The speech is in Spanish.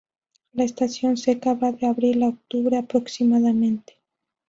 La estación seca va de abril a octubre aproximadamente.